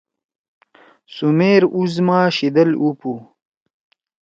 سمیر اُس ما شیدل اُو پُو۔